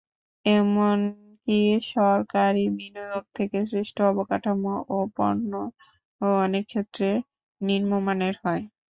এমনকি সরকারি বিনিয়োগ থেকে সৃষ্ট অবকাঠামো ও পণ্যও অনেক ক্ষেত্রে নিম্নমানের হয়।